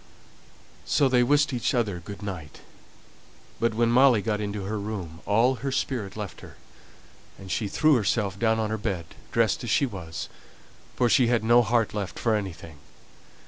So they wished each other good night. But when Molly got into her room all her spirit left her; and she threw herself down on her bed, dressed as she was, for she had no heart left for anything.